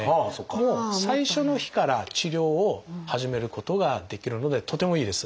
もう最初の日から治療を始めることができるのでとてもいいです。